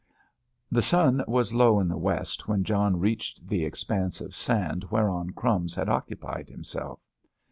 The sun was low in the west when John reached the expanse of sand whereon "Crumbs" had occupied himself.